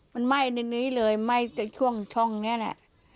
มันไหม้ในนี้เลยไหม้แต่ช่วงช่องนี้แหละ